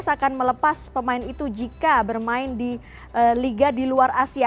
akan melepas pemain itu jika bermain di liga di luar asia